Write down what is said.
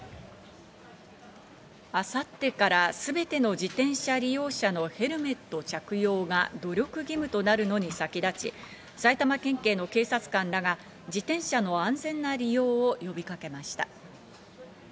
明後日からすべての自転車利用者のヘルメット着用が努力義務となるのに先立ち、埼玉県警の警察官らが自転車の安全な利用を呼びかけました。